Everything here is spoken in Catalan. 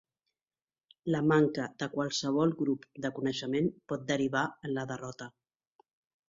La manca de qualsevol grup de coneixement pot derivar en la derrota.